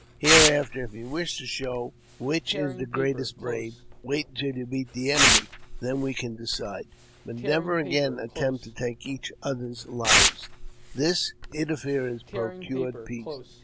Here after, if you wish to show which is the greatest brave, wait until you meet the enemy, then we can decide ; but never again attempt to take each other's lives." This interference procured peace.